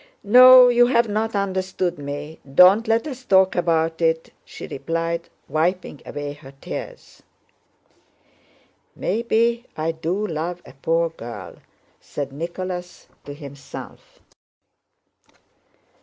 "No, you have not understood me, don't let us talk about it," she replied, wiping away her tears. "Maybe I do love a poor girl," said Nicholas to himself.